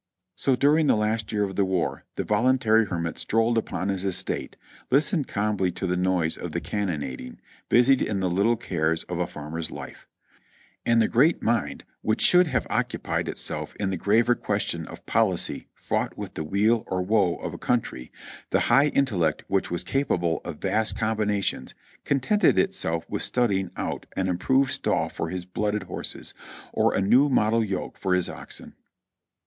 So during the last year of the war the voluntary hermit strolled upon his estate, listened calmly to the noise of the cannonading, busied in the little cares of a farmer's life ; and the great mind which should have occupied itself in the graver question of policy fraught with the weal or woe of a country, the high intellect which was capable of vast combinations contented itself with studying out an improved stall for his blooded horses, or a new model yoke for his oxen.